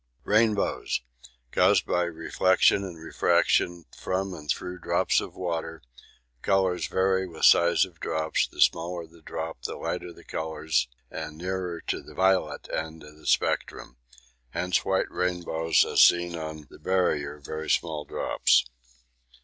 Rainbows. Caused by reflection and refraction from and through drops of water colours vary with size of drops, the smaller the drop the lighter the colours and nearer to the violet end of the spectrum hence white rainbow as seen on the Barrier, very small drops.